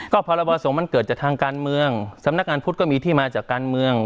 ก็พรบสงฆ์มันเกิดจากทางการเมืองสำนักงานพุทธก็มีที่มาจากการเมือง